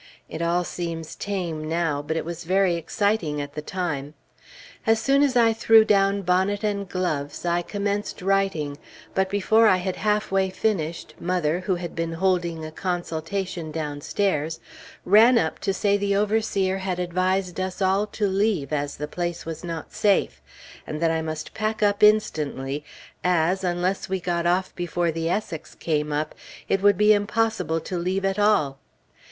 It all seems tame now; but it was very exciting at the time. As soon as I threw down bonnet and gloves, I commenced writing; but before I had halfway finished, mother, who had been holding a consultation downstairs, ran up to say the overseer had advised us all to leave, as the place was not safe; and that I must pack up instantly, as, unless we got off before the Essex came up, it would be impossible to leave at all.